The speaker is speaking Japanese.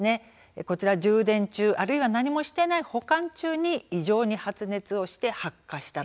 こちら充電中あるいは何もしていない保管中に異常に発熱をして発火した。